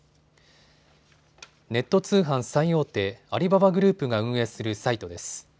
ネット通販最大手、アリババグループが運営するサイトです。